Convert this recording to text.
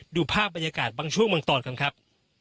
ดูภาพบรรยากาศบางช่วงบางตอนกันครับ